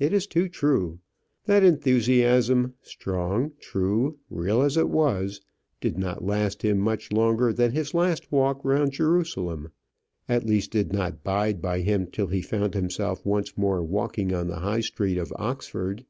It is too true. That enthusiasm, strong, true, real as it was, did not last him much longer than his last walk round Jerusalem; at least, did not bide by him till he found himself once more walking on the High Street of Oxford.